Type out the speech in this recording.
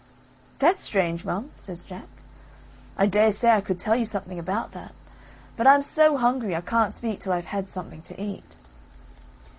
"That's strange, mum," says Jack, "I dare say I could tell you something about that but I'm so hungry I can't speak till I've had something to eat."